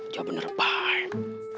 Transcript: dia bener baik